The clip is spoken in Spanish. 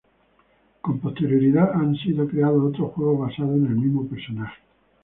Con posterioridad han sido creados otros juegos basados en el mismo personaje.